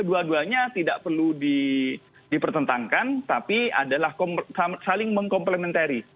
dua duanya tidak perlu dipertentangkan tapi adalah saling mengkomplementari